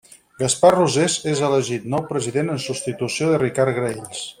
Gaspar Rosés és elegit nou president en substitució de Ricard Graells.